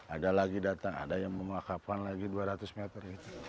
ada lagi datang ada yang memakapkan lagi dua ratus meter